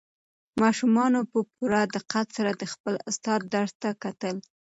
ماشومانو په پوره دقت سره د خپل استاد درس ته کتل.